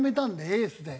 エースで。